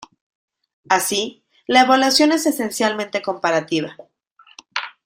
Así, la evaluación es esencialmente comparativa.